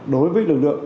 đối với lực lượng